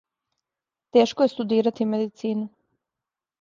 Тешко је студирати медицину.